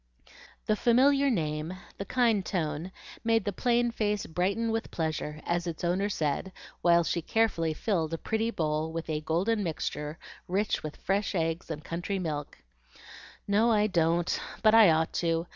The familiar name, the kind tone, made the plain face brighten with pleasure as its owner said, while she carefully filled a pretty bowl with a golden mixture rich with fresh eggs and country milk "No, I don't, but I ought to.